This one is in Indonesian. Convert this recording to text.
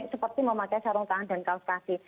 seperti memakai sarung tangan dan kaos kaki